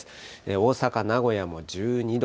大阪、名古屋も１２度。